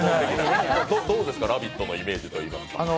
どうですか、「ラヴィット！」のイメージといいますか？